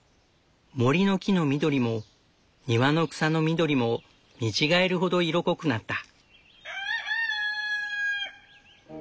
森の木の緑も庭の草の緑も見違えるほど色濃くなった。